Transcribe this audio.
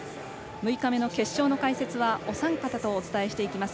６日目の決勝の解説は、お三方とお伝えしていきます。